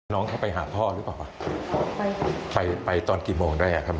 น้องเขาไปหาพ่อหรือเปล่าไปตอนกี่โมงแรกครับ